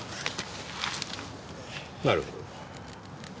なるほど。